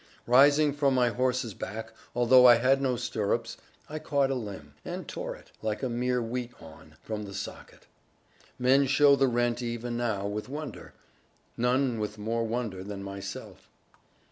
Rising from my horse's back, although I had no stirrups, I caught a limb, and tore it (like a mere wheat awn) from the socket. Men show the rent even now with wonder; none with more wonder than myself.